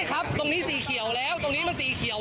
เออมึงตีรถกูนะมึงตีรถกู